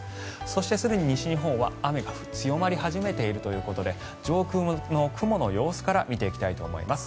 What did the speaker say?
そしてすでに西日本は、雨が強まり始めているということで上空の雲の様子から見ていきたいと思います。